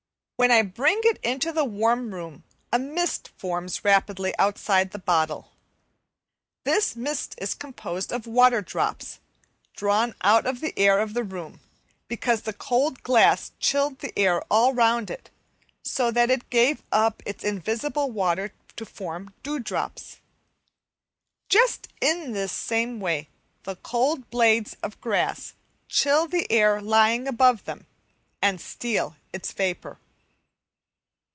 When I bring it into the warm room a mist forms rapidly outside the bottle. This mist is composed of water drops, drawn out of the air of the room, because the cold glass chilled the air all round it, so that it gave up its invisible water to form dew drops. Just in this same way the cold blades of grass chill the air lying above them, and steal its vapour.